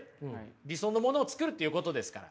理想のものを作るっていうことですから。